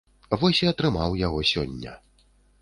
Вось і атрымаў яго сёння.